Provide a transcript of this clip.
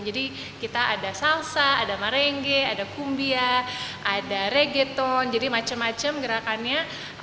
jadi kita ada salsa ada marengge ada kumbia ada reggaeton jadi macam macam gerakannya